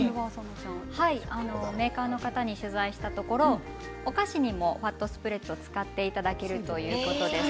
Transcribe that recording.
メーカーの方に取材したところお菓子にもファットスプレッド、使っていただけるということです。